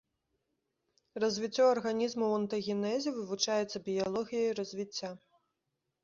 Развіццё арганізма ў антагенезе вывучаецца біялогіяй развіцця.